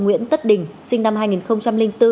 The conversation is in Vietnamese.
nguyễn tất đình sinh năm hai nghìn bốn